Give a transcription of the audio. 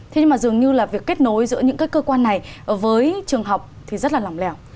thế nhưng mà dường như là việc kết nối giữa những cái cơ quan này với trường học thì rất là lòng lẻo